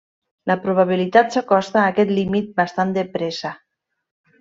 La probabilitat s'acosta a aquest límit bastant de pressa.